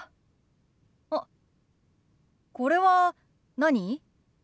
あっこれは何？